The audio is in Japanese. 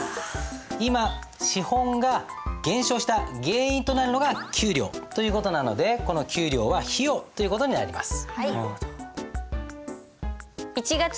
今資本が減少した原因となるのが給料。という事なのでこの給料は費用という事になります。